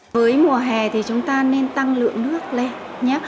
với mùa hè thì chúng ta nên tăng lượng nước lên nhép